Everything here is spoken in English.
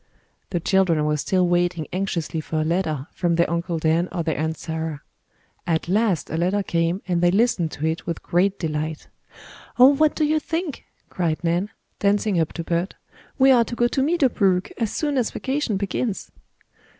The children were still waiting anxiously for a letter from their Uncle Dan or their Aunt Sarah. At last a letter came and they listened to it with great delight. "Oh, what do you think?" cried Nan, dancing up to Bert. "We are to go to Meadow Brook as soon as vacation begins!"